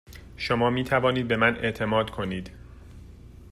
شما می توانید به من اعتماد کنید.